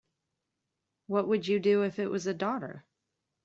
What would you do if it was a daughter?